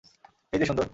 এই যে, সুন্দর।